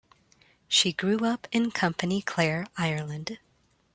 She grew up in Company Clare, Ireland.